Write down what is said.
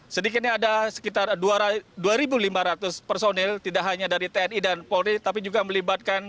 sedikitnya ada sekitar dua lima ratus personil tidak hanya dari tni dan polri tapi juga melibatkan